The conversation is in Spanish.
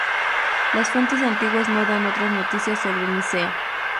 Las fuentes antiguas no dan otras noticias sobre Nicea.